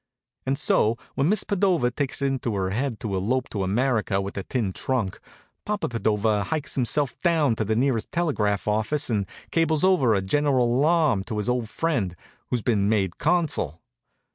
And so, when Miss Padova takes it into her head to elope to America with a tin trunk, Papa Padova hikes himself down to the nearest telegraph office and cables over a general alarm to his old friend, who's been made consul.